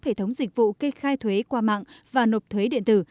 hệ thống dịch vụ kê khai thuế qua mạng và nộp thuế điện tử